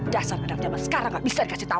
dasar kena jaman sekarang gak bisa dikasih tau